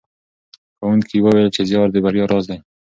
ښوونکي وویل چې زیار د بریا راز دی.